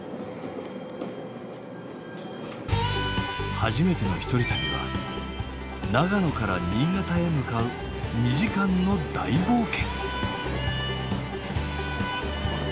初めての１人旅は長野から新潟へ向かう２時間の大冒険。